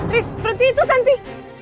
riz berhenti itu tanti